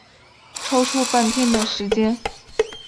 抽出半天的时间